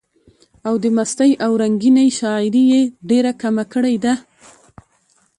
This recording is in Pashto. او د مستۍ او رنګينۍ شاعري ئې ډېره کمه کړي ده،